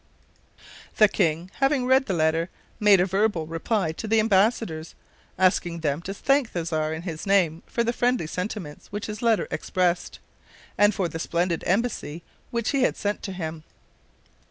The king, having read the letter, made a verbal reply to the embassadors, asking them to thank the Czar in his name for the friendly sentiments which his letter expressed, and for the splendid embassy which he had sent to him.